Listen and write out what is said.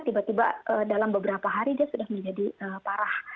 tiba tiba dalam beberapa hari dia sudah menjadi parah